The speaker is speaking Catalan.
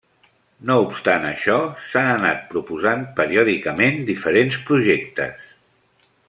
No obstant això, s'han anat proposant periòdicament diferents projectes.